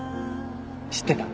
知ってた？